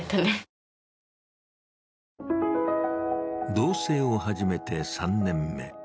同棲を始めて３年目。